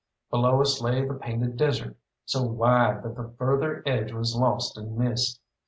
Below us lay the Painted Desert, so wide that the further edge was lost in mist.